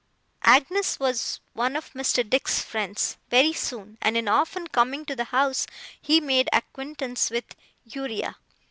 Agnes was one of Mr. Dick's friends, very soon; and in often coming to the house, he made acquaintance with Uriah.